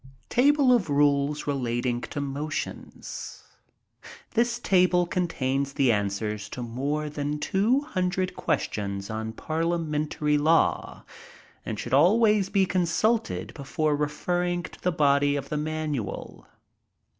TABLE OF RULES RELATING TO MOTIONS. [This Table contains the answers to more than two hundred questions on parliamentary law, and should always be consulted before referring to the body of the Manual.